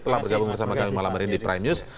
telah bergabung bersama kami malam hari ini di prime news